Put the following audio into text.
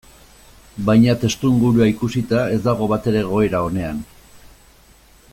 Baina testuingurua ikusita ez dago batere egoera onean.